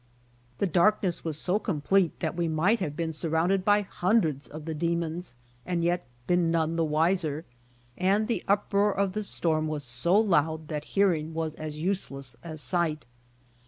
The darkness was so complete that we might have been surrounded by hundreds of the demons and yet been none the W'iser, iand the uproar of the storm was so loud that hearing was as useless as sight.